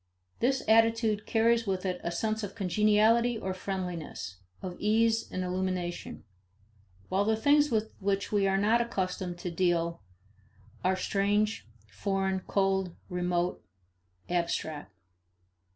This attitude carries with it a sense of congeniality or friendliness, of ease and illumination; while the things with which we are not accustomed to deal are strange, foreign, cold, remote, "abstract."